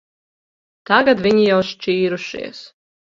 Tagad viņi jau šķīrušies.